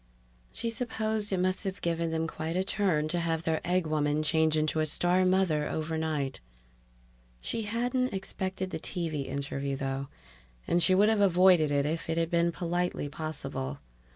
She supposed it must have given them quite a turn to have their egg woman change into a star mother overnight. She hadn't expected the TV interview, though, and she would have avoided it if it had been politely possible.